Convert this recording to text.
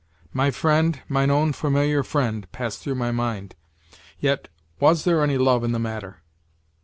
"My friend, mine own familiar friend!" passed through my mind. Yet was there any love in the matter?